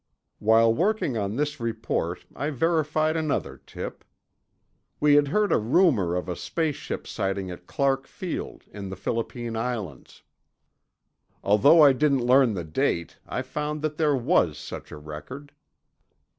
While working on this report, I verified another tip. We had heard a rumor of a space ship sighting at Clark Field, in the Philippine Islands. Although I didn't learn the date, I found that there was such a record.